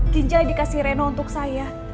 ginjal yang dikasih reno untuk saya